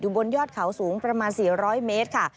บนยอดเขาสูงประมาณ๔๐๐เมตรค่ะ